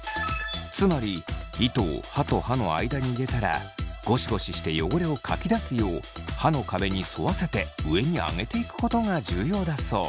つまり糸を歯と歯の間に入れたらゴシゴシして汚れをかき出すよう歯の壁に沿わせて上にあげていくことが重要だそう。